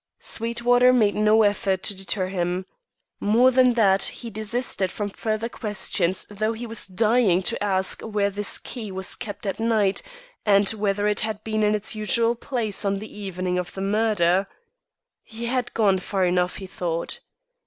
Sweetwater made no effort to deter him. More than that he desisted from further questions though he was dying to ask where this key was kept at night, and whether it had been in its usual place on the evening of the murder. He had gone far enough, he thought.